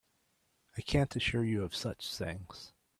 I can't assure you such things.